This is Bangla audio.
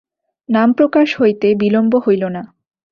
নাম প্রকাশ হইতে বিলম্ব হইল না।